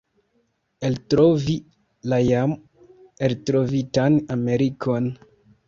eltrovi la jam eltrovitan Amerikon!